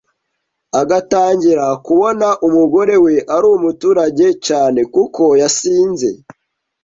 agatangira kubona umugore we ari umuturage cyane kuko yasinze